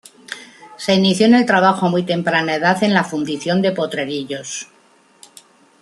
Se inició en el trabajo a muy temprana edad en la fundición de Potrerillos.